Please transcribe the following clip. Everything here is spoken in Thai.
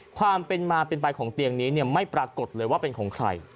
ความเป็นมาเป็นไปของเตียงนี้ไม่ปรากฏเลยว่าเป็นของใคร